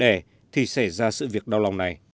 để thì xảy ra sự việc đau lòng này